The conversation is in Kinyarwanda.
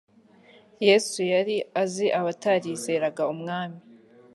yesu yari azi abatarizeraga umwami.